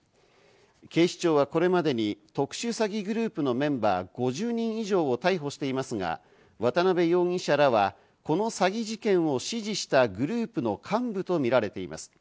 警視庁はこれまでに特殊詐欺グループのメンバー５０人以上を逮捕していますが、渡辺容疑者らは、この詐欺事件を指示したグループの幹部とみられています。